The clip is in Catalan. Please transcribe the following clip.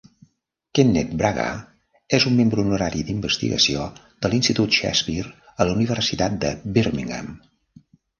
Kenneth Branagh és un membre honorari d"investigació de l"Institut Shakespeare, a la Universitat de Birmingham.